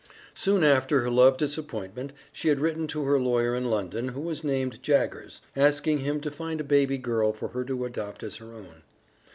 Soon after her love disappointment she had written to her lawyer in London, who was named Jaggers, asking him to find a baby girl for her to adopt as her own.